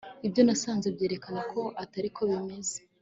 Ibyo nasanze byerekana ko atari ko bimeze